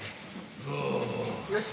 よし。